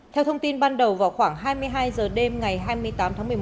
theo thông tin ban đầu vào khoảng hai mươi hai h đêm ngày hai mươi tám tháng một mươi một